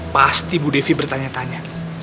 pasti ibu devi bertanya tanya